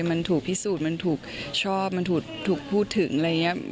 มันถูกพิสูจน์มันถูกชอบมันถูกพูดถึงอะไรอย่างนี้